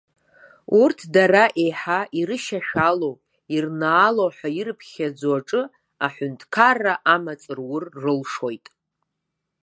Урҭ дара еиҳа ирышьашәалоу, ирнаало ҳәа ирԥхьаӡо аҿы аҳәынҭқарра амаҵ рур рылшоит.